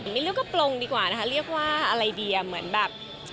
ไม่เรียกว่าปลงดีกว่านะคะเรียกว่าอะไรดีอ่ะเหมือนแบบ